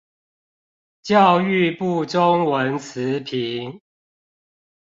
教育部中文詞頻